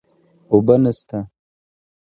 اوبه نشته